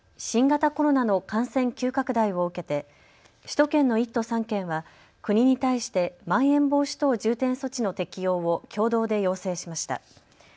新型コロナの感染急拡大を受けて首都圏の１都３県は国に対してまん延防止等重点措置の適用を共同で要請しました。